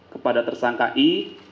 kepada tersangka i